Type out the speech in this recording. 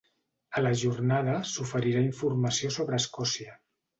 A la jornada s'oferirà informació sobre Escòcia.